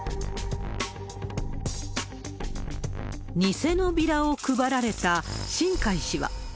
にせのビラを配られた新開氏は。